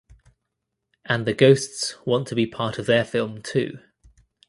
And the ghosts want to be part of their film too.